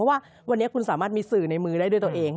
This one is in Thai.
ว่าวันนี้คุณสามารถมีสื่อในมือได้ด้วยตัวเอง